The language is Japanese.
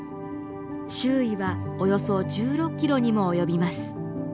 周囲はおよそ１６キロにも及びます。